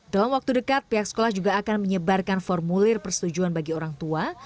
dalam waktu dekat pihak sekolah juga akan menyebarkan formulir persetujuan bagi orang tua